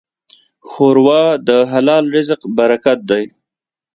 ښوروا د حلال رزق برکت ده.